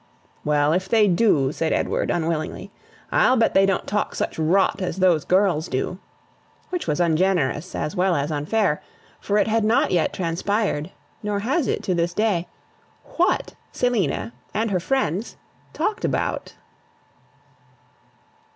"Well, if they do," said Edward, unwillingly, "I'll bet they don't talk such rot as those girls do!" which was ungenerous, as well as unfair; for it had not yet transpired nor has it to this day WHAT Selina and her friends talked about.